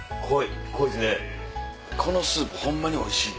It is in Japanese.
このスープホンマにおいしい！